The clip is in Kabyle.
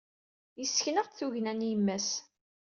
Yessken-aɣ-d tugna n yemma-s.